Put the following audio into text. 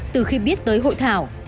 từ khi biết tới hội thảo